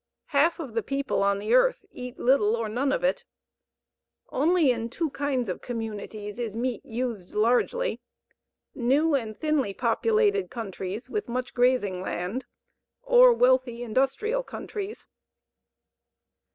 Half of the people of the earth eat little or none of it. Only in two kinds of communities is meat used largely new and thinly populated countries with much grazing land, or wealthy industrial countries.